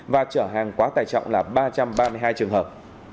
và trở hàng quá tài trọng là ba trăm ba mươi hai trường hợp